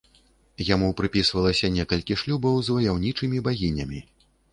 Яму прыпісвалася некалькі шлюбаў з ваяўнічымі багінямі.